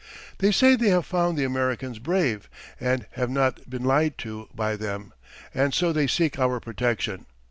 They say they have found the Americans brave, and have not been lied to by them, and so they seek our protection.